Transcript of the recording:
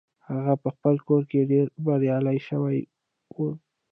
هغه په خپل کار کې ډېر بريالي شوی و.